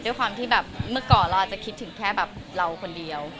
ด้วยความที่แบบเมื่อก่อนเราอาจจะคิดถึงแค่แบบเราคนเดียว